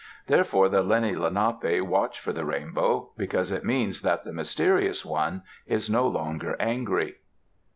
Therefore the Lenni Lenapi watch for the rainbow, because it means that the Mysterious One is no longer angry.